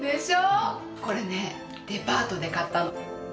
これねデパートで買ったの。